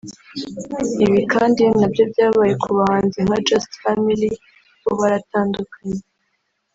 Ibi kandi ni nabyo byabaye ku bahanzi nka Just Family (bo baratandukanye)